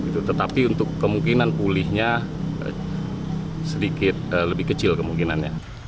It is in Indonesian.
tetapi untuk kemungkinan pulihnya sedikit lebih kecil kemungkinannya